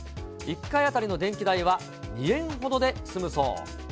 １回当たりの電気代は２円ほどで済むそう。